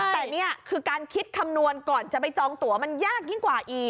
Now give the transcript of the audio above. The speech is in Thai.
แต่นี่คือการคิดคำนวณก่อนจะไปจองตัวมันยากยิ่งกว่าอีก